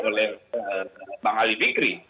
oleh bang ali bikri